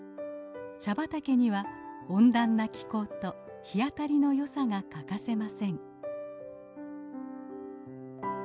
茶畑には温暖な気候と日当たりの良さが欠かせません。